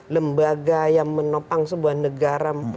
lembaga yang menopang sebuah negara